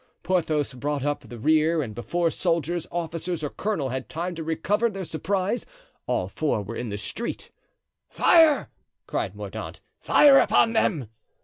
Porthos brought up the rear, and before soldiers, officers, or colonel had time to recover their surprise all four were in the street. "Fire!" cried Mordaunt; "fire upon them!"